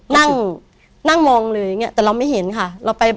นั่งนั่งมองเลยอย่างนี้แต่เราไม่เห็นค่ะ